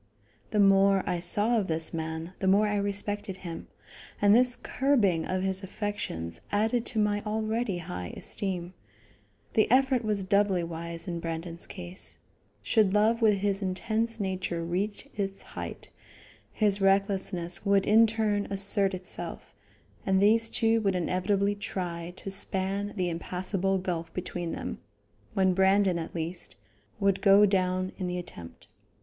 The more I saw of this man, the more I respected him, and this curbing of his affections added to my already high esteem. The effort was doubly wise in Brandon's case. Should love with his intense nature reach its height, his recklessness would in turn assert itself, and these two would inevitably try to span the impassable gulf between them, when Brandon, at least, would go down in the attempt.